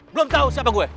belum tau siapa gue